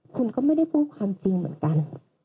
คุณก็ไม่ได้พูดความจริงเหมือนกัน